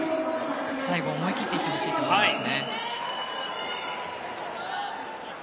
最後、思い切っていってほしいなと思います。